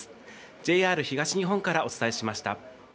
ＪＲ東日本からお伝えしました。